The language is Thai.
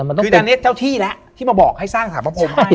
อันนี้เจ้าที่แหละที่มาบอกให้สร้างสารพับผมให้